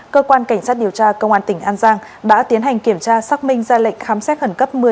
cơ quan cảnh sát điều tra công an tỉnh an giang đã tiến hành kiểm tra xác minh ra lệnh khám xét khẩn cấp